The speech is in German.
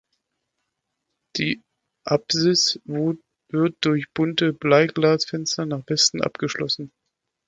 Die Apsis wird durch bunte Bleiglasfenster nach Westen abgeschlossen.